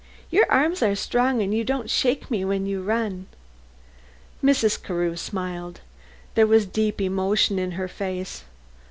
Your arms are strong and you don't shake me when you run." Mrs. Carew smiled. There was deep emotion in her face.